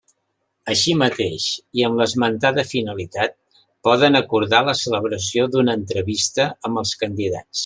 Així mateix i amb l'esmentada finalitat, poden acordar la celebració d'una entrevista amb els candidats.